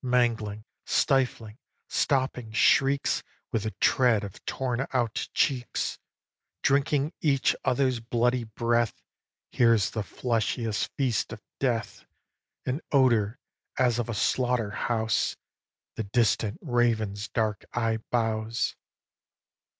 Mangling, stifling, stopping shrieks With the tread of torn out cheeks, Drinking each other's bloody breath Here's the fleshliest feast of Death. An odour, as of a slaughter house, The distant raven's dark eye bows.